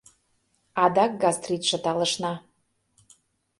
Адак гастритше талышна».